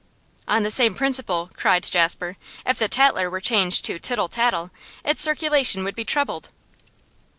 'On the same principle,' cried Jasper, 'if The Tatler were changed to Tittle Tattle, its circulation would be trebled.